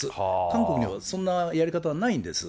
韓国にはそんなやり方はないんです。